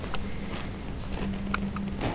একবার দেখে নিন।